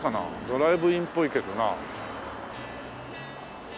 ドライブインっぽいけどな。